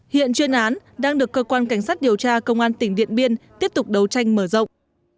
hiện chuyên án đang được cơ quan cảnh sát điều tra công an tỉnh điện biên tiếp tục đấu tranh mở rộng